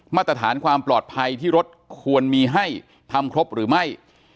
มาตรฐานความปลอดภัยที่รถควรมีให้ทำครบหรือไม่